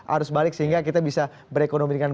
harus balik sehingga kita bisa berekonomikan